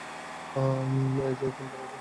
এই যে, এই ফোনটা রাখো।